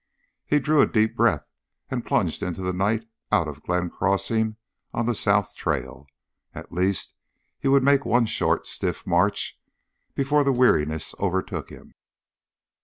He drew a deep breath and plunged into the night out of Glenn Crossing, on the south trail. At least he would make one short, stiff march before the weariness overtook him.